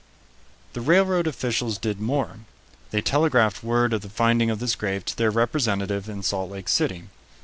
The railroad officials did more. They telegraphed word of the finding of this grave to their representative in Salt Lake City.